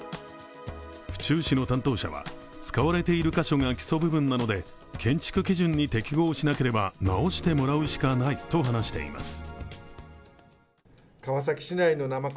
府中市の担当者は使われている箇所が基礎部分なので、建築基準に適合しなければ直してもらうしかないと話しています。